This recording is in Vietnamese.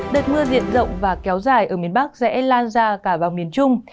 đợt mưa diện rộng và kéo dài ở miền bắc sẽ lan ra cả vào miền trung